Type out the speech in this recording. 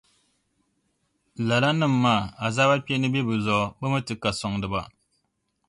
Lalanim’ maa, azaabakpeeni be bɛ zuɣu, bɛ mi ti ka sɔŋdiba.